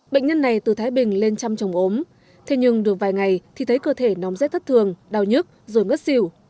bệnh nhân này từ thái bình lên trăm trồng ốm thế nhưng được vài ngày thì thấy cơ thể nóng rét thất thường đau nhức rồi ngất xỉu